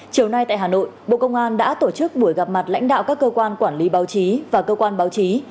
chiều nay tại hà nội bộ công an đã tổ chức buổi gặp mặt lãnh đạo các cơ quan quản lý báo chí và cơ quan báo chí